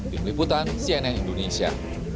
tim liputan cnn indonesia